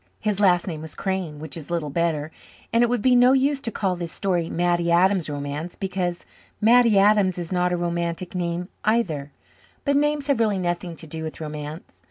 His last name was Crane, which is little better. And it would be no use to call this story "Mattie Adams's Romance" because Mattie Adams is not a romantic name either. But names have really nothing to do with romance.